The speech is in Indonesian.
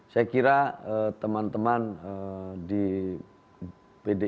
saya kira teman teman di pdi perjuangan bisa memilih